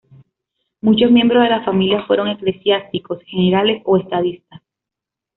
Muchos miembros de la familia fueron eclesiásticos, generales o estadistas.